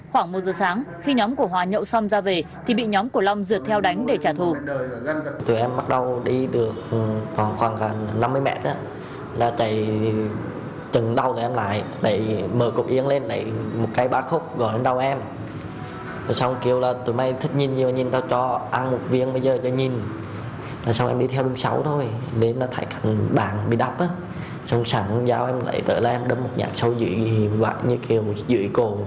khoảng một giờ sáng khi nhóm của hòa nhậu xong ra về thì bị nhóm của long dượt theo đánh để trả thù